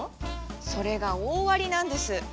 それが大ありなんです。